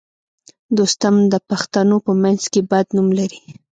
دوستم د پښتنو په منځ کې بد نوم لري